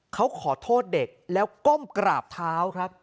เขาขอโทษเด็กแล้วก้มกราบเท้าครับ